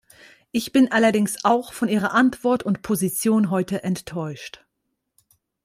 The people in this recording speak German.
Ich bin allerdings auch von Ihrer Antwort und Position heute enttäuscht.